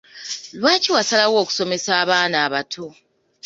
Lwaki wasalawo okusomesa abaana abato?